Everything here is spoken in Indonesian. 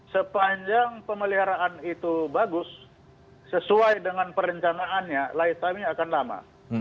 sepanjang pemeliharaan itu bagus sesuai dengan perencanaannya light timenya akan lama